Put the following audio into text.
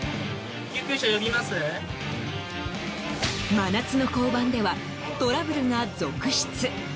真夏の交番ではトラブルが続出。